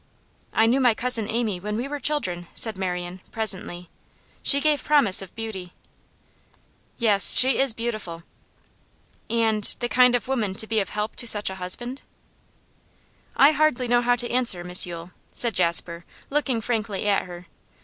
'I knew my cousin Amy when we were children,' said Marian, presently. 'She gave promise of beauty.' 'Yes, she is beautiful.' 'And the kind of woman to be of help to such a husband?' 'I hardly know how to answer, Miss Yule,' said Jasper, looking frankly at her.